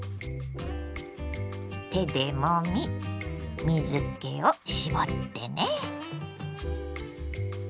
手でもみ水けを絞ってね。